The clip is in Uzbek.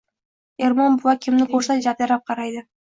Ermon buva kimni ko‘rsa javdirab qaraydi.